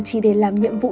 chỉ để làm nhiệm vụ